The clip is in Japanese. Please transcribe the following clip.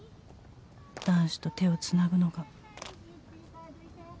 「男子と手をつなぐのが」